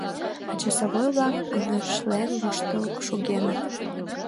А часовой-влак оҥырешлен воштыл шогеныт.